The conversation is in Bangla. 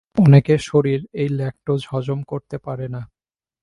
অনেকের শরীর এই ল্যাকটোজ হজম করতে পারে না।